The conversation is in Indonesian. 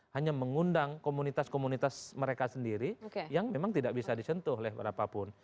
hanya mengundang komunitas komunitas mereka sendiri yang memang tidak bisa disentuh oleh berapapun